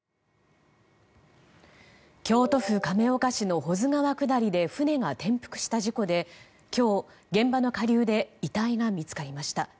京都府亀岡市の保津川下りで船が転覆した事故で今日、現場の下流で遺体が見つかりました。